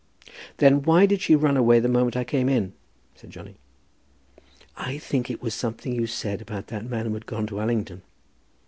"Then why did she run away the moment I came in?" said Johnny. "I think it was something you said about that man who has gone to Allington."